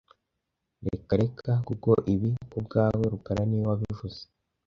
Reka reka google ibi kubwawe rukara niwe wabivuze